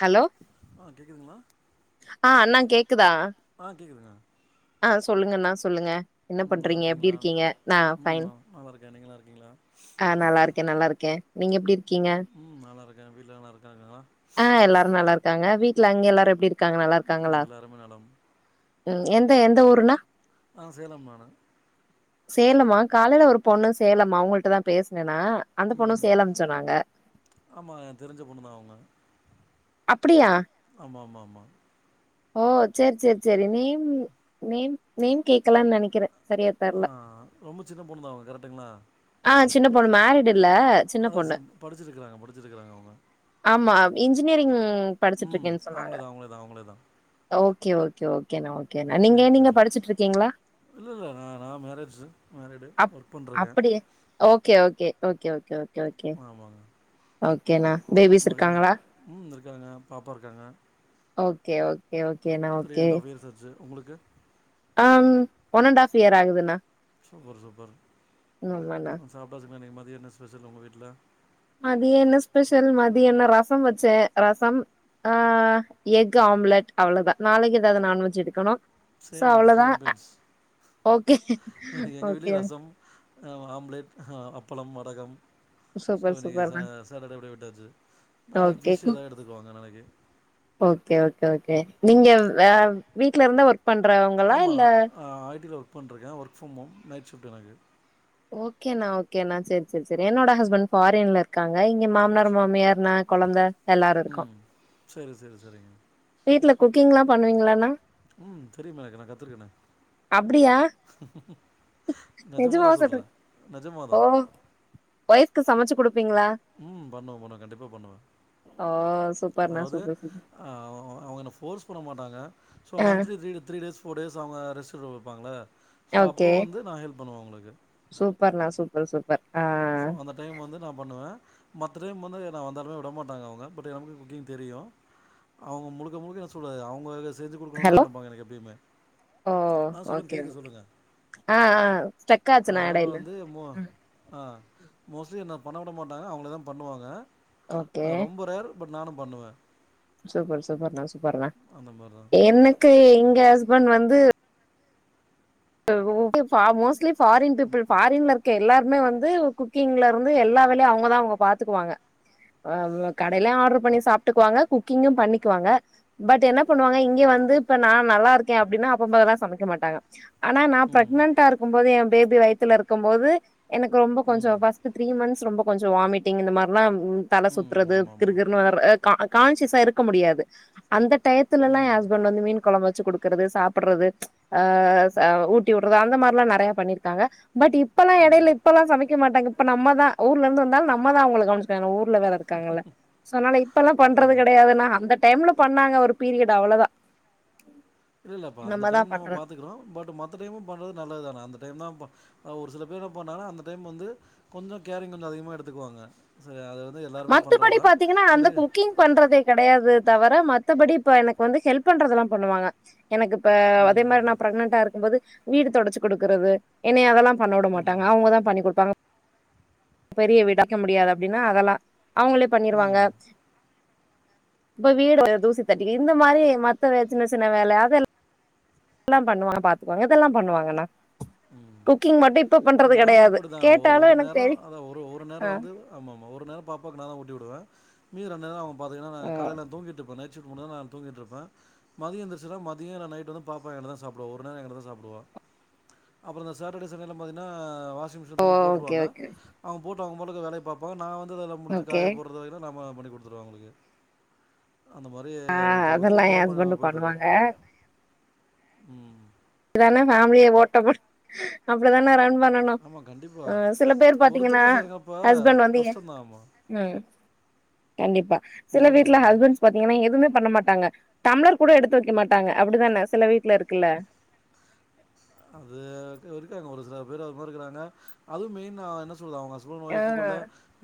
Hello ஆ கேக்குதுங்களா ஆ அண்ணா கேக்குதா ஆ கேக்குதுங்க ஆ சொல்லுங்கண்ணா சொல்லுங்க என்ன ம் நல்லா பண்றீங்க எப்படி இருக்கீங்களா இருக்கீங்க நா ம் ஃபைன் நா நல்லா இருக்கேன் நீங்க நல்லா இருக்கீங்களா அ நல்லா இருக்கு நல்லா இருக்கே நீங்க எப்படி இருக்கீங்க ம் நல்லா இருக்கேன் வீட்ல நல்லா இருக்காங்களா ஆ எல்லாரு நல்லா இருக் க்காங்க வீட்டுல அங்க எல்லாரு எப்டி இருக்காங்க நல்லா ம் இருக்காங்களா எல்லாருமே நலம் ம் எந்த எந்த ஊருன்னா ஆ சேலம் மா நா சேலமா காலையில ஒரு பொண்ணு சேலமா அவங்கிட்ட தான் பேசுனேன்னா அந்த பொண்ணும் ம் சேலம்னு சொன்னாங்க ஆமா ஏ தெரிஞ்ச பொண்ணு தா அவுங்க அப்படியா ஆமா ஆமா ஆமா ஓ sir sir sir name name name கேட்கலான்னு நெனைக்கற ஆ ரொம்ப சின்ன பொண்ணுதா அவ கரெக்டுங்களா ஆ சின்ன பொண்ணு மேரிடு் இல்ல சின்ன அதா பொண்ணு சி படிச்சிருக்காங்க படிச்சிருக்காங்க அவுங்க ஆமா இன்ஜினியரிங் படிச்சிட்டு இருக்கேன்னு சொன் அவுங்ளே தா அவுங்ளே தான் அவுங்ளே தா ஓகே ஓகே ஓகேண்ணா ஓகேண்ணா நீங்க சரி ஏ நீங்க சரி படிச்சிட்டு இருக்கீங்களா இல்ல இல்ல நா நா மேரேஜ்ஜி மேரிடு அப் ஒர்க் பண்றங்க அப்படியே okay okay okay okay okay okay ஆமாங்க ஓகேண்ணா பேபிஸ் மதிய இருக்காங்களா ம் இருக்காங்க பாப்பா இருக்காங்க okay okay okay three and half years ஆச்சு உங்களுக்கு um one and half year ஆகுதுண்ணா ஆமண்ணா சாப்ட்டச்சுங்களா இன்னைக்கி மதிய என்ன ஸ்பெஷல் உங்க விட்ல மதிய என்ன ஸ்பெஷல் மதிய என்ன ரசோ வச்சே ரச ஆ எக் ஆம்லெட் அவ்ளதா நாளைக்கி ஏதாவ்து நான்வெஜ் எடுக்கணு சோ சேம் அவ்ளோதா சேம் பெஞ்ச் ஒகே ஒகே ஆ ஆம்லேட் அப்பள வடக சோ சூப்பர் இன்னைக்கி சா சூப்பர்ண்ணா சாட்டர்டே அப்டியே விட்டாச்சு நாளைக்கு பிஷ் ஏதாது எடுத்துக்குவாங்க நாளைக்கி ஓக்கே ஓக்கே ஓகே நீங்க வ வீட்ல இருந்தா ஒர்க் பண்றவங்களா இல்ல ஆ ஐ டி ல ஒர் க் பண்ருக்கே work from home night shift எனக்கு ஓகேண்ணா ஓகேண்ணா செரி செரி செரி என்னோட ஹஸ்பண் ஃபாரின்ல இரு க்காங்க இங்க மாமனார் மாமியார் நா கொழந்த எல்லாரு இருக்கோ ம் செரி செரி செரிங்க வீட்ல குக்கிங்லா பண்ணுவீங்களாணா ம் தெரியுமா எனக்கு நா கத்துருக்கனே அப்டியா நெஜமாதா நெஜமாவா சொல்றீ சொல்றே நெஜமாதா வைஃப்க்கு சமச்சு குடுப்பீங்களா ம் பண்ணுவ பண்ணுவ கண்டிப்பா பண்ணுவ ஓ சூப்பர்ண்ணா அதாவ்து சூப்பர் சூப்பர் அ அவு அவுங் அவுங்க என்ன ஃபோர்ஸ் பண்ண மாட்டாங்க சோ ஆ monthly three day three days four days அவ்ங்க ரெஸ்டெடு வப்பாங்கள சோ அப்போ வந்து நா ஹெல்ப் பண்ணுவே அவுங்களுக்கு சூப்பர்ணா சூப்பர் சூப்பர் ஆ சோ அந்த டைம் வந்து நா பண்ணுவ மத்த டைம் வந்து நா வந்தாலுமே விட மாட்டாங்க அவுங்க பட் நம்மக்கு குக்கிங் தெரியு அவுங்க முழுக்க முழுக்க என்ன சொல்லது அவுங்களாவே செஞ்சு குடுக்கணு தா ஹலோ நெனப்பாங்க எனக்கு எப்பயுமே ஓ ஆ சொல்லுங்க ஓகே கேக்குது ஓகே சொல்லுங்க ஆ ஆ ஸ்டக் ஆச்சுண்ணா அதனால எடையில வந்து மோ ஆ மோஸ்லி என்ன பண்ண விட மாட்டாங்க அவுங்களே தா பண்ணுவாங்க ஓகே அ ரொம்ப ரேர் பட் நானு பண்ணுவே சூப்பர் சூப்பர்ணா சூப்பர்ணா அந்த மாரி தான் எனக்கு எங்க ஹஸ்பண் வந்து [unintelligible] ஃபா மோஸ்லி ஃபாரின் பீபுள் ஃபாரின்ல இரு க்க எல்லாருமே வந்து குக்கிங்ல இருந்து எல்லா வேலையு அவுங்கதா அவுங்க பாத்துக்குவாங்க ஆ வ கடைலே ஆர்டரு பண்ணி சாப்ட்டுக்குவாங்க குக்கிங்கு பண்ணிக்குவாங்க பட் என்ன பண்ணுவாங்க இங்க வந்து இப்ப நா நல்லா இருக்கே அப்டினா [unintelligible] போதுலா சமைக்க மாட்டாங்க ஆனா நா ம் பிரெக்னன்டா இருக்கம்போது எ பேபி வயித்துல இருக்கம் போது எனக்கு ரொம்போ கொஞ்சோ ம் ஃபஸ்ட்டு த்ரீ மந்த்ஸ் ரொம்போ கொஞ்சோ வாமிட்டிங் இந்த மாரிலா ம் தல ம் சுத்றது ஆமா ஆமா கிருகிருனு வர ஆ கா கான்சியா இருக்க முடியாது அந்த டயத் துலலா எ ம் ஹஸ்பண்ட் வந்து மீன் கொழம்பு வெச்சி குடுக்கறது சாப்பட்றது அ ச ஊட்டி உட்றது அந்த மார்லா நெறையா பண்ணிருக்காங்க பட் இப்பெல்லா ம் எடைல இப்பல்லா சமைக்க மாட்டாங்க இப்ப நம்ம தா ஊர்ல இருந்து வந்தாலு நம்ம தா அவுங்கள கவனுச்சிக்கனு ஏனா ஊர்ல வேற இருக்காங்கல்ல சோ அனால இப்பல்லா ஆ பண்றது கெடையாதுனா அந்த டைம்ல பண்ணாங்க ஒரு பீரியட் அவ்ளோ தா இல்லப்பா அந்த டைம் நம்ம பண்றது பாத்துக்கிறோ பட் மத்த டைமு பண்றது நல்லத்தான அந்த டைம் தா ப அ ஒரு சில பேரு பண்ணாங்கனா அந்த டைம் வந்து கொஞ்சோ கேரிங் கொஞ்சோ அதிகமா எடுத்துக்குவாங்க ச அது வந்து எல்லாருமே மத்தபடி பண்றதுதா பாத்தீங்கனா பட் அந்த இது குக்கிங் பண்றதே கெடையாது தவர மத்தபடி இப்ப எனக்கு வந்து ஹெல்ப் பண்றதெல்லா பண்ணுவாங்க எனக்கிப்ப ம் அதே ம் மாரி நா ப்ரெக்னன்டா இருக்கும்போது வீடு தொடச்சி குடுக்கறது என்னை அதலா பண்ண விட ம் மாட்டாங்க அவங்கதா பண்ணி குடுப்பாங்க பெரிய வீடு [inaudible] முடியாது அப்டின்னா அதலா அவுங்களே பண்ணிருவாங்க ம் இப்ப வீடு தூசி தட்டிகி இந்த மாரி மத்த சின்ன சின்ன வேல அதெல் லா பண்ணுவாங்க பாத்துக்குவாங்க இதெல்லா பண்ணுவாங்கனா ம் குக்கிங் மட்டு இப்ப பண்றது நானுமே கெடையாது அப்டிதா ஒ கேட்டாலு ஒரு எனக்கு நேரோ தெரி அதா ஒரு ஒரு நேரோ ஆ வந்து ஆமாமா ஒரு நேரோ பாப்பாக்கு நாதா ஊட்டிவுடுவே மீதி ரெண் நேரோ அவு பாத்திங்கனா நா ஆ காலைல தூங்கிட்ருப்பே நைட் ஷிஃப்ட் முடிஞ்சி நா தூங்கிட்ருப்பே மதியோ எந்துருச்சினா மதியோ இல்ல நைட்டு வந்து பாப்பா என்ட தா சாப்டுவா ஒரு நேரோ எங்கிட்ட தா சாப்டுவா அப்றோ இந்த சாட்டடே சண்டேலா பாத்தீனா வாஷிங் மிஷின் துணி ஓகே போட்ருவாங்க ஓகே அவுங்க போட்டு அவுங்க பாட்டுக்கு வேலைய பாப்பா நா வந்து அதுல முடிச்சி ஓகே காய போட்ற வேலைலா நாம தா பண்ணி குடுத்துருவோ அவுங்களுக்கு அந்த மாரி ஆ ஒருத்தருக்கு அதெல்லா ஒருத்தர் எ பொழப்பு நல்லா ஹஸ்பண்டு போயிட்ருக்கு பண்ணுவாங்க ம் இதாண்ணே பேமிலிய ஓட்ட முடி அப்டிதாண்ணா ரன் பண்ணணு ஆமாம் அ சில பேர் கண்டிப்பாக பாத்தீங்கன்னா ஒருத்தரே செய்கிறங்க இப்போ ஹஸ்பண்ட் வந்து கஷ்டம்தான் ஆமாம் ம் கண்டிப்பா ம் சில சொல்லுங்கள் வீட்டல சொல்லுங்கள் ஹஸ்பண்ட்ஸ் பாத்தீங்கன்னா எதுமே பண்ண மாட்டாங்க டம்ளர் கூட எடுத்து வெக்க மாட்டாங்க அப்டித்தான சில வீட்ல இருக்குல்ல அது இரு இருக்காங்க ஒரு சில பேர் அது மாரி இருக்குறாங்க அதுவு மெயினா என்ன சொல்ல அவுங்க ஹஸ்பண்ட் ஆ வொய்ஃப்புகுள்ள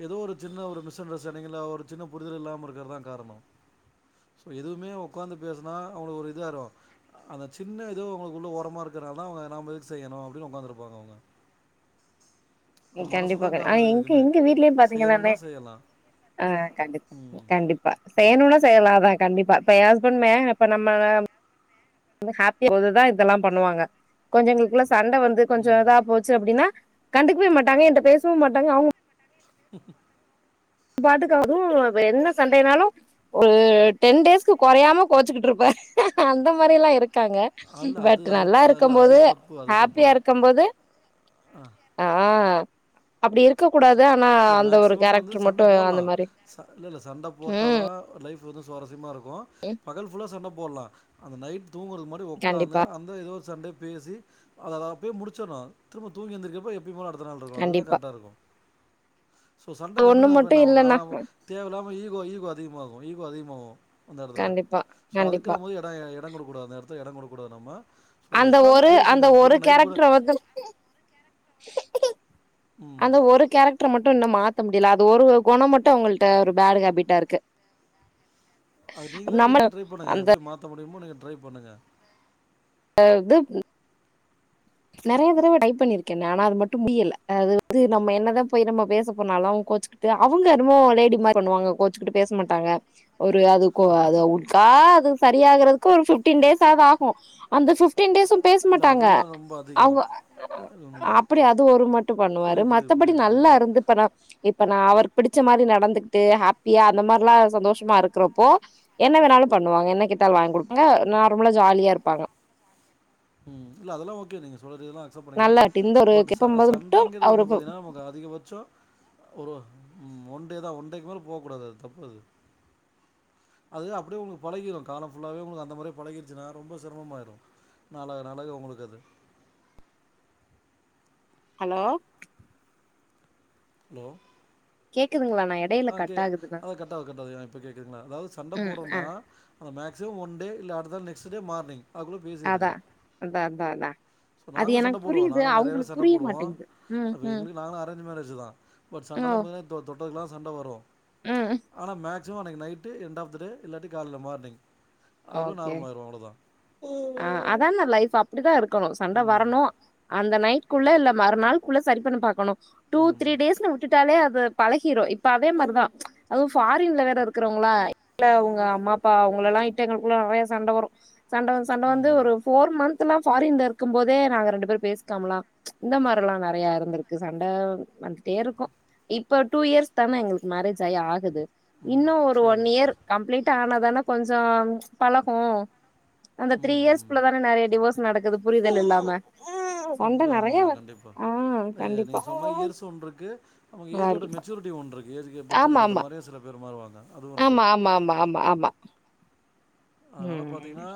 எதோ ஒரு சின்ன ஒரு மிஸ் அண்டர்ஸ்டாண்டிங்கில ஒரு சின்ன புரிதல் இல்லாம இருக்கிறதா காரணோ ப்ப எதுவுமே உக்காந்து பேசுனா அவுங்களுக்கு ஒரு இதாயிரு அந்த சின்ன எதோ உங்களுக்குள்ள ஓரமா இருக்குறனாலதா அவுங்க நாம எதுகு செய்யணு அப்டின் உக்காந்துருப்பாங்க அவுங்க கண்டிப்பா தான் க ஆ காரணம் இது எங்க எதுக்குமே எங்க வீட்லயே பாத்தீங்க தானே செய்யணும்னா செய்யலாம் ஆ கண்டிப்பா ம் கண்டிப் பா செய்யனுனா செய்யலா அதா கண்டிப்பா இப்ப எ ஹஸ்பண்டுமே இப்ப நம்ப [inaudible] ஹேப்பியா [inaudible] இதெல்லா பண்ணுவாங்க கொஞ்சோ எங்களுக்குள்ள சண்ட வந்து கொஞ்சோ ம் இதா போ ச்சி அப்டின்னா கண்டுக்கவே மாட்டாங்க என்ட பேசவு மாட்டாங்க அவுங்க [inaudible] பாட்டுக்கு அது இப்ப என்ன சண்டைனாலு ஒரு டென் டேஸ்க்கு கொறயாம கோச்சிக்கிட்டு இருப்ப அந்த மாரிலா இருக் காங்க அல்ல அது பட் அது நல்லா இல்ல அது இருக்கும்போது தப்பு அது தப்பா ஹேப்பியா இருக்கும்போது ஆ அப்டி இருக்க கூடாது ஆனா அந்த ஒரு கேரக் சண்ட போட்லா இல்லல்ல சண்ட ம் போட்டாதா லைஃப் வந்து சுவாரஸ்யமா இரு க்கு பகல் ஃபுல்லா சண்ட போட்லா ஆனா நைட் தூங்குற மட் டு உக்காந்து கண்டிப்பா அந்த எதோ ஒரு சண்டய பேசி அதல்லா அப்வே முடிச்சர்னு திரும்ப தூங்கியெந்திரிகறப்ப எப் திப்போ அடுத்த நாள் இருக்கு அதுதா கண்டிப்பா கரட்டா இருக்கு சோ சண்ட ஒண்ணு கண்டினியூ ஆன மட்டு என்னாவுனா இல்லண்ணா தேவயில்லாம ஈகோ ஈகோ அதிகமாகு ஈகோ அதிகமாவு அந்த எடத்துல கண்டிப்பா சோ அதுக்கு கண்டிப்பா நம்மோ எடோ எடோ குடுக்ககூடாது அந்த எடத்துல டோ குடுக்ககூடாது நம்ம ஸோ அந்த உட்காந்து ஒரு பேசுங்க அந்த ஒரு திரும்ப நைட்டு கூட கேரக்டர் வந்து ம் அந்த ஒரு கேரக்டர் மட் டு இன்னு மாத்த முடியல அது ஒரு குணோ மட்டு அவங்கள்ட ஒரு பேடு ஹேபிட்டா இருக்கு அது நீங்ளே நம்ம நீங்ளே ட்ரை பண்ணுங்க அந்த எப்டி மாத்த முடியுமோ நீங்க ட்ரை பண்ணுங்க அதாதுப் நெறைய தடவ ட்ரை பண்ணிருக்க ஆனா அது மட்டு முடியல அது வந்து நம்ம என்னதா போய் நம்ம பேச போனாலு அவ கோச்சிக் அவங்க என்னமோ லேடி மாரி பண்ணுவாங்க கோச்சிக்கிட்டு பேச மாட்டாங்க ஒரு அது கோ அத உட்கா அது சரியாகுறதுக்கு ஒரு பிப்டீன் டேஸாது ஆகு அந்த பிப்டின் டேஸு பேச இல்லை மாட்டாங்க அதெல்லாம் ரொம்ப அவுங்க அதிகம் ம் அப்டியா அது ஒரு மட்டு‌ பண்ணுவாரு புரியுது புரியுது மத்தபடி புரியுது நல்லா புரியுது இருந்து பண்ணா இப்ப நா அவுருக்கு புடிச்ச மாரி நடந்துகிட்டு ஹாப்பியா அந்த மாரிலா சந்தோஷமா இருக்கறப்போ என்ன வேணாலு பண்ணுவாங்க என்ன கேட்டாலு வாங்கி குடுப்பாங்க நார்மலா ஜாலியா இருப்பாங்க ம் இல்ல அதல்லா ஓகே நீங்க சொல்றது எல்லா அக்சபட் பண்ணிகிறே நல்லா இந்த ஒரு பட் கேட்கும்போது மட்டு சண்டங்கிறது வந்து அவரு பாத்தீங்கன்னா நமக்கு அதிகபட்சோ ஒரு ம் ஒன்டேதா ஒன்டேக்கு மேல போ கூடாது அது தப்பு அது அது அப்டியே உங்களுக்கு பழகிரு காலம் புல்லாவே உங்களுக்கு அந்த மாரியே பழகிருச்சுனா ரொம்ப சிரமமாயிரு நாளக நாளாக உங்களுக்கு அது ஹலோ ஹலோ கேக்குதுங்களா நாயட் ஆ கே ஆ கட்டாவுது கட்டாவுது ஆ இப்ப கேக்குதுங்களா அதாவது சண்ட ம் ஆ போற்றோனா மேக்ஸிமம் ஒன் டே இல்ல அடுத்த நாள் நெக்ஸ்ட் டே மார்னிங் அதுக்குள்ளே அதா அத்தா அத்தா அதா இப்ப அது நாங்களு சண்ட எனக்கு போடுவோ புரியுது நாங்களு நெறையவே அவங்களுக்கு சண்ட புரிய போடுவோ மாட்டேங்குது ம் அது ம் எங்களுக் நாலா அரேஞ்சு மேரேஜ்தா பட் ஓ சண்டல்லா பாத்தனா தொட்டதுக்கெல்லா சண்ட வரு ம் ஆனா மேக் சிமம் அன்னைக்கு night end of the day இல்லாட்டி கால்ல மார்னிங் அதுக்குள்ளே ஓகே நார்மல் ஆயிரும் அவ்வளோதான் அதாணா லைப் அப்டிதா இருக் கனோ சண்ட ம் வரணு அந்த நைட்க்குள்ள இல்ல மறுநாள்க்குள்ள சரி பண்ண பாக்கணு டூ ம் த்ரீ டேஸ்னு விட்டுட்டாலே அது பழகிரோ இப்ப அதே மாரிதா அதுவு ஃபாரின்ல வேற இருக்றவங்களா இல்ல அவுங்க அம்மா அப்பா அவ்ங்களல்லா இட் எங்ளுகுள்ள நெறைய சண்ட வரு சண்ட வந்து சண்ட வந்து ம் ஒரு போர் மந் த்ல்லா ஃபாரின்ல இருக்கு போதே நாங்க ரெண்டு பேசிக்காமல்லா இந்த மாரில்லா நெறையா இருந்திருக்கு சண்ட வந்துட்டே இருக்கு இப்ப டூ இயர்ஸ் தானே எங்களுக்கு மேரேஜ் ஆயி ஆகுது ம் ம் இன்னு ஒரு ஒன் சரி இயர் கம்ப்ளீட் ஆனாதானே கொஞ்சம் பழகு அந்த த்ரீ ம் ம் இயர்ஸ்குள்ள தானே நெறைய டிவோர்ஸ் நடக்குது புரிதல் இல்லாம ஆ சண்ட புரியும் நெறைய ஆமாமா வ கண்டிப்பா ஆ ஏ நீங்க கண்டிப்பா சொன்ன இயர்ஸ் ஒன்றுக்கு அவங்க ஏஜோட கண்டிப்பா மெச்சூரி டி ஒன்றுக்கு ஏஜ்க்கு மெச்சுர்க்கு ஏத்த மாரியே சில பேர் மாறுவாங்க அதுவும் இருக்கு. ஆம்மா ஆம்மா ஆம்மா ஆம்மா ஆம்மா அதனால பாத்தீங்கன்னா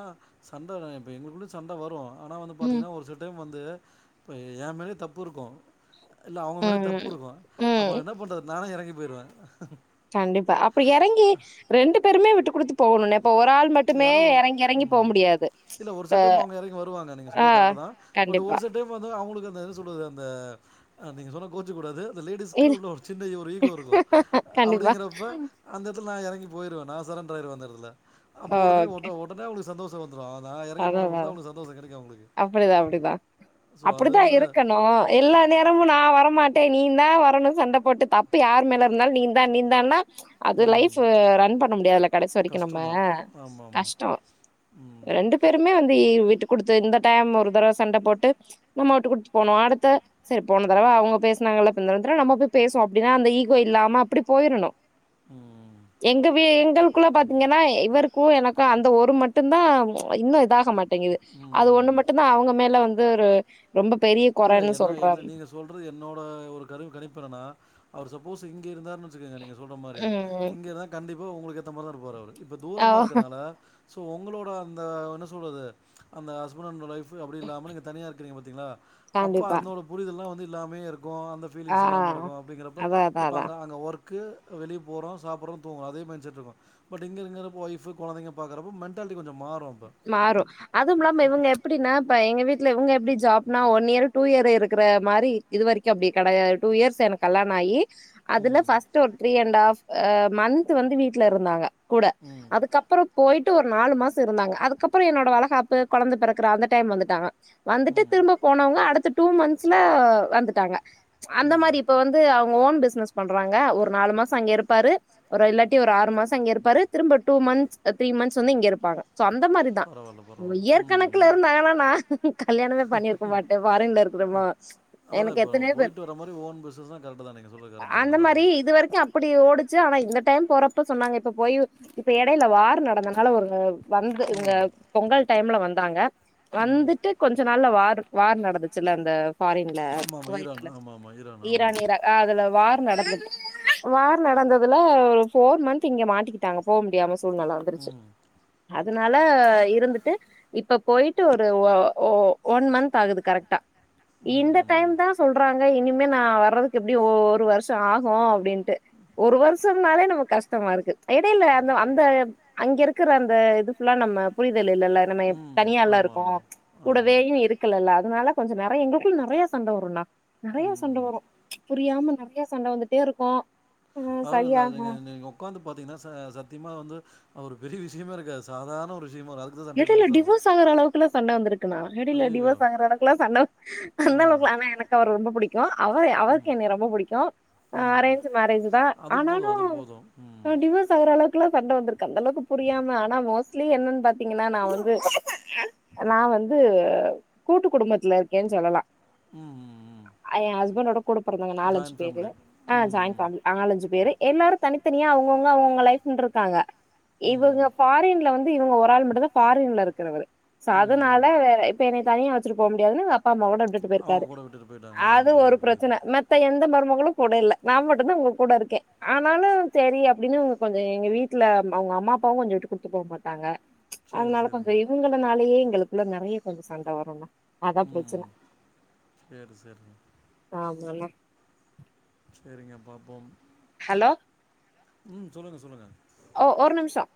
சண்ட இப்போ எங்களுக்குள்ள சண்ட வரு ஆனா வந்து ம் பாத்தீங்கன்னா ஒரு சில டைம் வந்து இப்ப ஏ மேலயு தப்பு இருக்கு இல்ல அவுங்க மேலயு ம் தப்புருக்கு அப்போ ம் என்ன பண்றது நானே எறங்கி போயிருவ கண்டிப்பா அப்ப எறங்கி ரெண்டு பேருமே விட்டு குடுத்து போகணுனெ இப்ப ஒருரால் மட்டுமே யாரோ ஒரு எறங்கி எறங்கி போ ம் முடியாது இல்ல ஒரு ப்ப சில டைம் அவங்க எறங்கி வருவாங்க நீங்க ஆ சொல்றது கரெக்ட் தான் பட் கண்டிப் ஒரு சில டைம் வந்து அவுங்களுக்கு அந்தா என்ன சொல்றது அந்த நீங்க சொன்ன கோச்சுக்கூடாது இந்த லேடிஸ்க்கு இல்ல உள்ள ஒரு சின்ன ஈகோ ஒரு ஈகோ இருக்கூ கண்டிப்பா அப்டிங்கிறப்ப அந்த எடத்துலா நா எறங்கி போயிருவ நா சரண்ராயிடுவ அந்த எடத்துல அப்ப உடனே ஓகே ஒட்ட ஒடனே அவளுக்கு சந்தோஷொ வந்துரு நா எறங்கி போன மட்டுந்தா அவங்ளுக்கு சந்தோஷ கெடைக்கு அவுங்ளுக்கு அப்படிதா அப்படிதா அப்படிதா வந்து இருக்கணு எல்லா நேரமு நா வரமாட்டே நீதா வரணு சண்ட போட்டு தப்பு யார் மேல ர்ந்தாலு நீந்தா நீந்தான்னா அது ம் லைஃப்பு ரன் பண்ண முடியாதுல கடசி வரக்கும் நம்ம கஷ்டந்தா ஆமா ஆமா கஷ்டோ ம் ரெண்டு பேருமே வந்து விட்டு குடுத்து இந்த டைம் ஒரு தடவ சண்ட போட்டு நம்மவுட்டு குடுத்து போனோ அடுத்த சரி போன தரவ அவுங்க பேசுனாங்க இல்ல பின்ன என்ற நம்ப போய் பேசுவோ அப்டினா அந்த ஈகோ இல்லாம அப்படி போயிறணு ம் எங்க வீ எங்களுக்குள்ள பாத்தீங்கன்னா இவரு கூ எனக்கு அந்த ஒரு மட்டுந்தா இன்னூ இதாக மாட்டிங்குது அது ம் ஒன்னு ம் மட்டுந்தா அவுங்க மேல வந்து ஒரு ரொம்ப பெரிய இல்ல கொறன்னு என்ன என்ன சொல்றோம் நீங்க சொல்றது என்னோட ஒரு கருவி கணிப்பு என்னனா அவரு சப்போஸ் இங்கே இருந்தாருனா புரியுதுங்க நீங்க சொல்ற மாரி ம். இங்கதா கண்டிப்பா உங்களுக்கு ஏத்த மாரிதா இருப்பாரு இப்ப ஓ தூரமா இருக்கனால சோ உங்களோட அந்த என்ன சொல்றது அந்த ஹஸ்பண் அண்ட்னோட ஒய்ஃப்பு அப்டி இல்லாம நீங்க தனியா நீங்க பாத்தீங்களா அப்ப கண்டிப்பா அத்னோட புரிதல்லா வந்து இல்லாமையே இருக்கு அந்த ஆ ஃபீலிங்ஸ் இல்லாம ருக்கு அப்டிங்கிறப்ப அதா அதா இப்ப அதா அங்க அங்க ஒர்க் க்கு வெளிய போறோ சாப்புற்றோ தூங்குறோ அதே மைண்ட் செட்ருக்கு பட் இங்க இங்கனப்ப வைஃப்பு கொழந்தைக பாக்குறப்ப மெண்டால்ட்டி கொஞ்சோ மாறு அப்ப மாறு அதுவும்மில்லாம இவங்க எப்பிடின்னா இப்ப எங்க வீட்ல இவங்க எப்டி ஜாப்னா ஒன் இயர்று டூ இயர்று இருக்குற மாரி இது வரைக்கு அப்டி கெடையாது டூ இயர்ஸ் எனக் கல்லாணாயி அதுல ம் ஃபஸ்ட்டு ஒரு three and half ah month வந்து வீட்ல இருந்தாங்க கூட ம் அதுக்கப்பறொ போயிட்டு ஒரு நாலு மாச இருந்தாங்க அதுக்கப்பறம் என்னோட வளகாப்பு கொழந்த பெறக்குற அந்த டைம்ல வந்துட்டாங்க வந்துட்டு ம் திரும்ப போனவங்க அடுத்த டூ மந்த்ஸ்ல வந்துட்டாங்க அந்த ம் மாரி இப்ப வந்து அவுங்க ஓன் பிஸ்னஸ் பண்றாங்க ஒரு நாலு மாசோ அங்க இருப்பாரு ஒரு இல்லாட்டி ஒரு ஆறு மாச இங்க ருப்பாரு திரும்ப டூ மந்த்ஸ் த்ரீ மன்ஸ் வந்து இங்க இருப்பாங்க சொ அந்த மாரிதா பரவால்ல உங் பரவால்ல ம் இயர்கணக்குல ம் இருந்தாங்கன்னா நா கல்யாணமே பண்ணிருக்க மாட் ஃபாரின்ல ஒரு குடும்போ அதா த இப்ப போயிட்டு வர மாரி ஓன் பிசினஸ்ன கரெட்டு தா நீங்க சொல்றது கரெட்டு தா அந்த நல்லதா மாரி இது வரைக்கு அப்படி ஓடுச்சு ஆனா இந்த டைம் போறப்ப சொன்னாங்க இப்ப போய் இப்ப எடையில வார் நடந்தனால ஒரு வந்து இங்க ம் பொங்கல் டைம்ல வந்தாங்க ம் வந்துட்டு கொஞ்ச நாள்ள வார் வார் நடந்துச்சில்ல அந்த பாரின்ல ஆமாமா ஈரான் குவைத்துல ஆமாமா ஆமா ஈரான் ஈராக் அதுல வார் நடந்த வார் நடந்ததுல ஒரு போர் மந்த் இங்க மாட்டிகிட் டாங்க அங்க போக முடியாம சூழ்நெலை வந்துருச்சி ம் அதனால இருந்துட்டு இப்ப போய்ட்டு ஒரு ஒ ஒ ஒன் மந்த் ஆகுது கரெட்டா ம் இந்த ம் டைம் ம் தா சொல்றாங்க இனிமே நா வர்றதுக்கு எப்டியு ஒரு வர்ஷொ ஆகு அப்டின்ட்டு ஒரு வருஷம்னாலே நமக் கஷ்டமா ருக்கு எடைல அந்த அந்த அங்கிருக்குற அந் இது ஃபுல்ல நம்ம புரிதல் இல்லல்ல நம்ம ம் தனியால்லா ருக்கோ ஆமாமா ஆமா கூடவே இரு இருக்கல ல்ல அதனால கொஞ்ச நெறைய எங்களுக்குள்ள நெறையா சண்ட வரு நெறையா சண்ட ம் வரு புரியாம நறையா சண்ட வந்துட்டே இருக்கு ஆ அவ்ளதா சரியாகு அதுங்க நீங்குப் உக்காந்து பாத்தீங்னா சா சத்திமா வந்து ஒரு பெரிய விஷயமே இருக்காது சாதார்ண ஒரு விஷயமோ ராத் எடைய்ல டிவோஸ் ஆகுற அளவுக்லா சண்ட வந்துருக்குண்ணா எடைய்ல ஐயய்யோ டிவோஸ் ஆகற அளவுக்லா சண்டவ் அந்த ஆ அளவுக்லா ஆனா எனக்கு அவர் ரொம்ப புடிக்கு அவ அவர்க்கு என்னே ரொம்ப புடிக்கு அ ம் அரேன்ஜு மேரேஜு தா அது போதும் ஆனாலு அது போதும் ம் அ டிவஸ் ஆவுற அளவுக்லா சண்ட வந்துருக் கந்தளவ்க்கு புரியாம ஆனா மோஸ்லி என்னன் பாத் பாத்தீங்கன்னா நா வந்து நா வந்து கூட்டு குடும்பத்ல இருக்கேன் சொல்லலா ம் ம் ம் அ எ ஹஸ்பண்டோட கூட பெறந்தங்க நாலஞ்சு ஜாயிண்ட் பேரு ஃபேமிலி ஆ ம் ஜாய்ன் ம் ஃபேம்லி நாகலஞ்சு பேரு எல்லாரு தனித்தனியா அவுங்கவுங்க அவுங்கவுங்க லைஃப்ன்ருக்காங்க ம் இவுங்க ம் ஃபாரின்ல வந்து இவுங்க ஒரு ஆள் மட்டு தா ஃபாரின்ல இருக்றவரு ச ம் அதனால ம் வேரே இப்ப என்னை தனியா வச்சிட்டு போ முடியாதுனு அப் ப்பா மவுன விட்டுட்டு அவங்க போய்ர்க்காரு கூட விட்டுட்டு போயிட்டாங்க ஆ அது ஒரு புரியுது புரியுது ப்ரச்சன மத் த்த எந்த மருமகளு கூட இல்ல நா மட்டுன்தா உங்க கூட இருக்கே ஆனாலு சேரி அப்டின்னு கொஞ்சு எங்க வீட்ல அம் அவ்ங் அம்மா அப்பாவு கொஞ்சு விட்டு குடுத்து போ மாட்டாங்க சரி அன்னால சரிங்க கொஞ்சு இவுங்களனாலயே எங்களுக்குள்ள நறைய கொஞ்சு சண்ட வருண்ணா அதா ப்ரச்சன ம் சரி சரிங்க ஆமால சேரிங்க பாப்போம் ஹலோ ம் சொல்லுங்க சொல்லுங்க ஓ ஒர் நிம்ஷோ